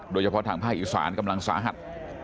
โดยเฉพาะทางภาคอีสานกำลังสาหัส